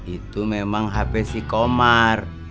itu memang hp si komar